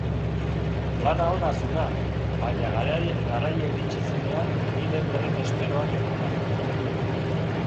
Plana ona zunan, baina garaia iritsi zenean ni Denverren esperoan nengonan.